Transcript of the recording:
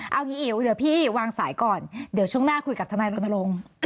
เอางี้อิ๋วเดี๋ยวพี่วางสายก่อนเดี๋ยวช่วงหน้าคุยกับทนายรณรงค์